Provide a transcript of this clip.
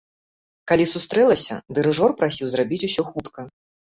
Калі сустрэлася, дырыжор прасіў зрабіць усё хутка.